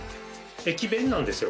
駅弁なんですよ